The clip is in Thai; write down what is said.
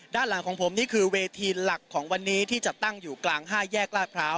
ด้านหลังของผมนี่คือเวทีหลักของวันนี้ที่จะตั้งอยู่กลาง๕แยกลาดพร้าว